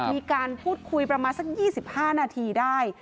มีการพูดคุยประมาณสัก๒๕นาทีได้